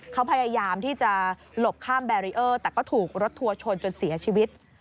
เขาพยายามที่จะหลบข้ามแบรีเออร์แต่ก็ถูกรถทัวร์ชนจนเสียชีวิต